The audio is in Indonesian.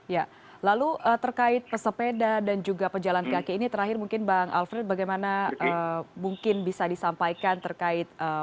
ya lalu terkait pesepeda dan juga pejalan kaki ini terakhir mungkin bang alfred bagaimana mungkin bisa disampaikan terkait